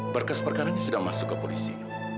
berkas perkaranya sudah masuk ke polisi